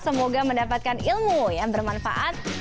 semoga mendapatkan ilmu yang bermanfaat